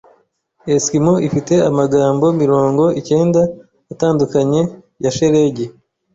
Eskimos ifite amagambo mirongo icyenda atandukanye ya shelegi.